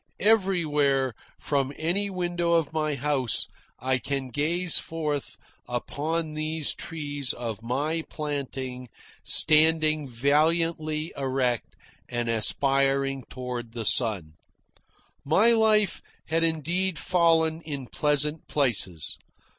Everywhere, from any window of my house, I can gaze forth upon these trees of my planting, standing valiantly erect and aspiring toward the sun. My life has indeed fallen in pleasant places.